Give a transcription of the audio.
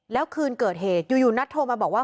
แล้วคืนเกิดเหตุอยู่นัทโทรมาบอกว่า